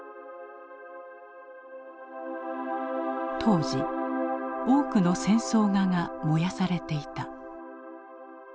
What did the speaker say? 当時多くの戦争画が燃やされていた。